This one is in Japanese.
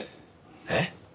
えっ？